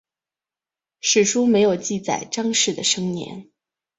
史书没有记载张氏的生年。